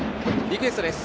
リクエストです。